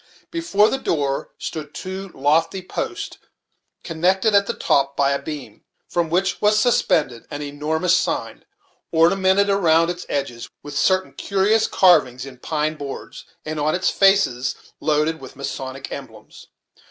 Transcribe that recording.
Before the door stood two lofty posts, connected at the top by a beam, from which was suspended an enormous sign, ornamented around its edges with certain curious carvings in pine boards, and on its faces loaded with Masonic emblems.